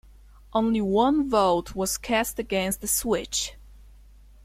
Only one vote was cast against the switch.